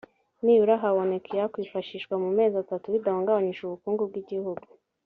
nibura haboneka iyakwifashishwa mu mezi atatu bidahungabanyije ubukungu bw’igihugu